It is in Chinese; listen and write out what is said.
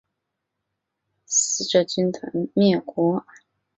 之后被上级魔族率领不死者军团灭国。